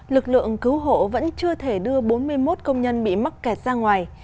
lực lượng cứu hộ vẫn chưa thể đưa bốn mươi một công nhân bị mắc kẹt ra ngoài